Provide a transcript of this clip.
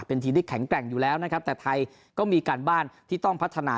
เป็นทีมที่แข็งแกร่งอยู่แล้วนะครับแต่ไทยก็มีการบ้านที่ต้องพัฒนา